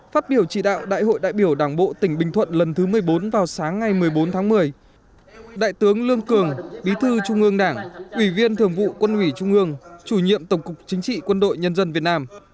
phát biểu chỉ đạo đại hội đại biểu đảng bộ tỉnh bình thuận lần thứ một mươi bốn vào sáng ngày một mươi bốn tháng một mươi đại tướng lương cường bí thư trung ương đảng ủy viên thường vụ quân ủy trung ương chủ nhiệm tổng cục chính trị quân đội nhân dân việt nam